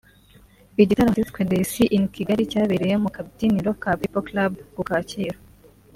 Igitaramo cyiswe ‘Ray C in Kigali’ cyabereye mu kabyiniro ka People Club ku Kacyiru